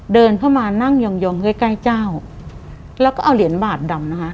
เดินเข้ามานั่งยองยองใกล้ใกล้เจ้าแล้วก็เอาเหรียญบาทดำนะคะ